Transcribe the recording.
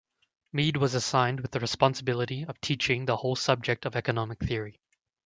Meade was assigned with the responsibility of teaching the whole subject of economic theory.